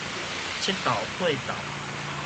七鬥八鬥